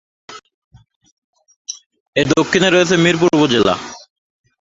এর দক্ষিণে রয়েছে মিরপুর উপজেলা।